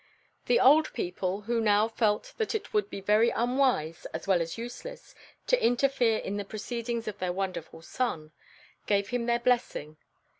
The old people, who now felt that it would be very unwise, as well as useless, to interfere in the proceedings of their wonderful son, gave him their blessing.